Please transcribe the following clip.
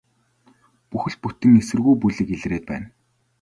Бүхэл бүтэн эсэргүү бүлэг илрээд байна.